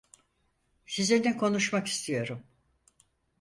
Sizinle konuşmak istiyorum.